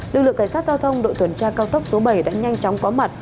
lực lượng cảnh sát giao thông đội tuần tra cao tốc số bảy đã nhanh chóng có mặt